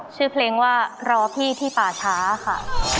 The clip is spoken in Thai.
ชื่อเพลงว่ารอพี่ที่ป่าช้าค่ะ